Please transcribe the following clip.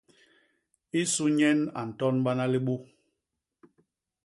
I su nyen a ntonbana libu.